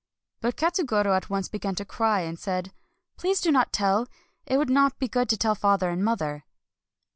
But Katsugoro at once began to cry, and said :—" Please do not tell !— it would not be good to tell father and mother."